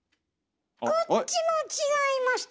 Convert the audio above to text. こっちも違いました。